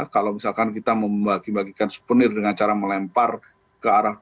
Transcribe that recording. kalau misalkan kita membagi bagikan souvenir dengan cara melempar ke arah